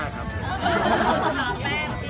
แม่กับผู้วิทยาลัย